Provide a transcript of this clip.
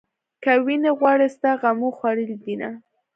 که وينې غواړې ستا غمو خوړلې دينه